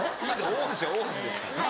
大橋は大橋ですから。